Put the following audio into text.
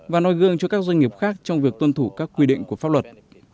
và nói gương cho các doanh nghiệp khác trong việc tuân thủ các quy định của pháp luật